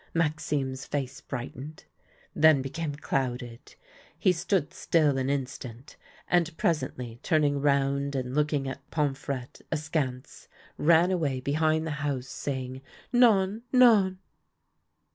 Maxime's face brightened, then became clouded ; he stood still an instant, and presently, turning round and looking at Pomfrette askance, ran away behind the house, saying, " Non, non!